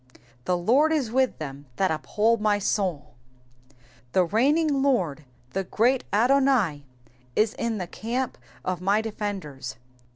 *TA« Ijord is wUh them that uphold my sotd,^^ The reigning Lord, the great Adouai is in the camp of my defenders.